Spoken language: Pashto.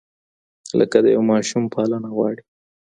لکه د یو ماشوم پالنه غواړي.